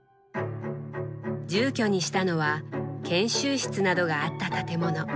住居にしたのは研修室などがあった建物。